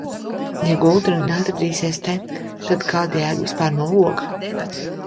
Ja gulta neatradīsies te, tad kāda jēga vispār no loga?